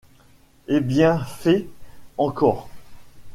Et bien fait, encore.